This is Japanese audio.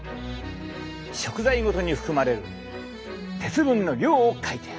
食材ごとに含まれる鉄分の量を書いてある。